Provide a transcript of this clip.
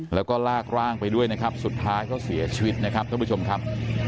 แล้วก็ลากร่างไปด้วยนะครับสุดท้ายเขาเสียชีวิตนะครับท่านผู้ชมครับ